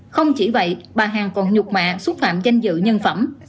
không chỉ vậy bà hằng còn nhục mạ xúc phạm danh dự nhân phẩm